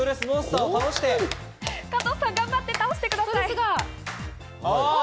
加藤さん、頑張って倒してください。